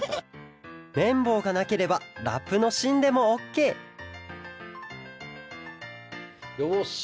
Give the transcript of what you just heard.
めんぼうがなければラップのしんでもオッケーよし！